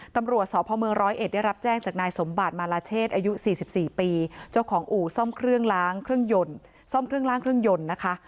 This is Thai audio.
ตำรวจสพเมืองร้อยเอ็ดได้รับแจ้งจากนายสมบัติมาลาเชษอายุ๔๔ปีเจ้าของอู่ซ่อมเครื่องล้างเครื่องยนต์ซ่อมเครื่องล้างเครื่องยนต์นะคะ